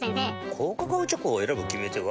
高カカオチョコを選ぶ決め手は？